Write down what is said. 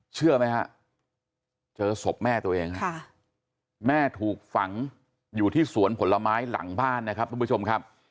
เชื่อไหมฮะเจอศพแม่ตัวเองฮะแม่ถูกฝังอยู่ที่สวนผลไม้หลังบ้านนะครับทุกผู้ชมครับ